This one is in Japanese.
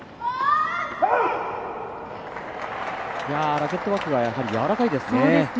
ラケットワークがやわらかいですね。